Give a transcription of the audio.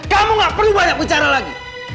kamu gak perlu banyak bicara lagi